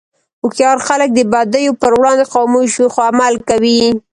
هوښیار خلک د بدیو پر وړاندې خاموش وي، خو عمل کوي.